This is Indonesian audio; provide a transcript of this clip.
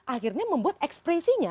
akhirnya membuat ekspresinya